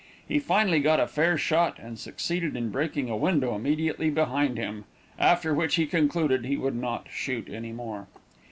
He finally got a fair shot, and succeeded in breaking a window immediately behind him, after which he concluded he would not shoot any more.